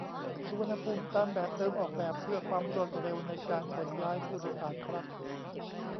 สุวรรณภูมิ ตามแบบเดิมออกแบบเพื่อความรวดเร็วในการขนย้ายผู้โดยสารครับ